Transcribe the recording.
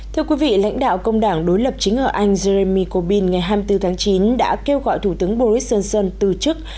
thưa quý vị lãnh đạo công đảng đối lập chính ở anh jeremy corbyn ngày hai mươi bốn tháng chín đã kêu gọi thủ tướng boris johnson từ chức